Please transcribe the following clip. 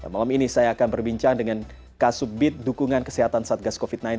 malam ini saya akan berbincang dengan kasubit dukungan kesehatan satgas covid sembilan belas